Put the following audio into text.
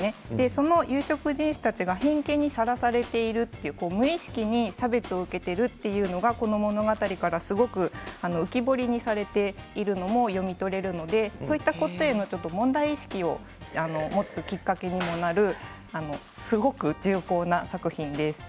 その有色人種たちが偏見にさらされているという無意識に差別を受けているというのが、この物語からすごく浮き彫りにされているのを読み取れるのでそういったところへの問題意識を持つきっかけにもなるすごく重厚な作品です。